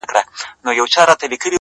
• خدای ورکړی وو شهپر د الوتلو ,